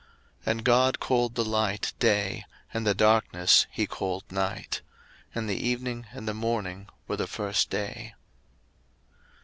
01:001:005 And God called the light Day, and the darkness he called Night. And the evening and the morning were the first day.